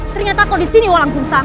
ternyata aku di sini walang sungsang